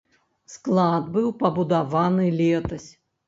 Склад быў пабудаваны летась.